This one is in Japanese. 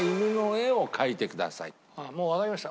もうわかりました。